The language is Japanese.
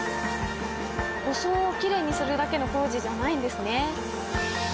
装をきれいにするだけの工事じゃないんですね。